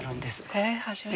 へえ初めて。